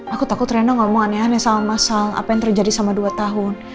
aku takut rena ngomong aneh aneh sama masal apa yang terjadi sama dua tahun